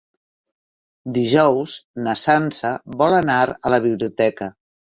Dijous na Sança vol anar a la biblioteca.